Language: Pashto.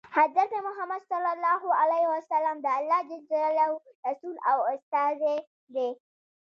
حضرت محمد ﷺ د الله ﷻ رسول او استازی دی.